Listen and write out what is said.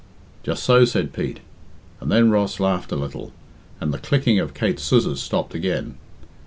"Just so," said Pete, and then Ross laughed a little, and the clicking of Kate's scissors stopped again.